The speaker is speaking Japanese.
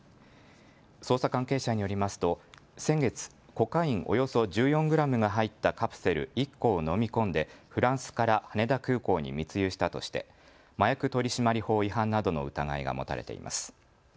捜査関係者によりますと先月、コカインおよそ１４グラムが入ったカプセル１個を飲み込んでフランスから羽田空港に密輸したとして麻薬取締法違反などの疑いが持たれています。